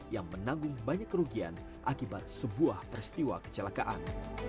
yang menanggung banyak kerugian akibat sebuah peristiwa kecelakaan